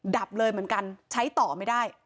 ดับเลยเหมือนกันใช้ต่อไม่ได้